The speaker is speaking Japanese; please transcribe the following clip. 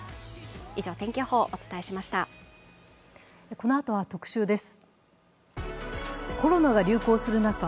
このあとは特集です。